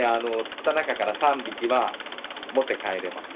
釣った中から３匹は持って帰れます。